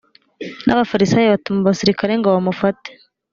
n abafarisayo batuma abasirikare ngo bamufate